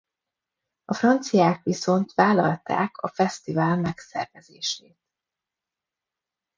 A franciák viszont vállalták a fesztivál megszervezését.